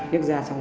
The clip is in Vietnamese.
nhấc ra xong rồi